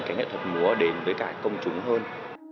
cái nghệ thuật múa đến với cả công chúng hơn